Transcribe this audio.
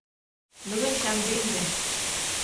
Бөгөн шәмбе инде.